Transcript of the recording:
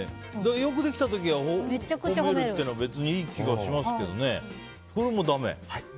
良くできた時は褒めるというのは別にいい気がしますけどこれもだめ？